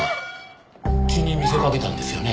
血に見せかけたんですよね？